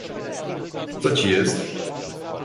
"co ci jest?"